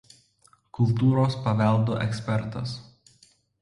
Kultūros paveldo ekspertas.